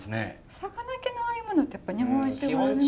魚系のああいうものってやっぱ日本酒合いますよね。